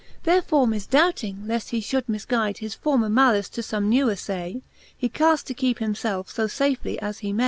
Therefore mifdoubting, leaft he Ihould mifguyde His former malice to Ibme new aflay, He caft to keepe him felfe fo lafely as he may.